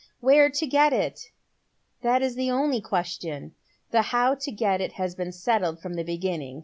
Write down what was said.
Where to get it ? that is the only question. The how to get it has been settled from the beginning.